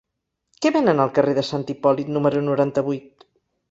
Què venen al carrer de Sant Hipòlit número noranta-vuit?